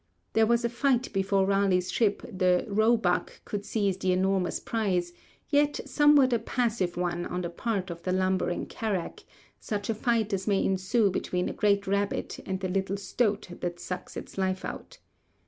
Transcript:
There was a fight before Raleigh's ship the 'Roebuck' could seize this enormous prize, yet somewhat a passive one on the part of the lumbering carrack, such a fight as may ensue between a great rabbit and the little stoat that sucks its life out.